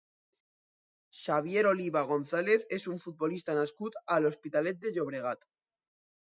Xavier Oliva González és un futbolista nascut a l'Hospitalet de Llobregat.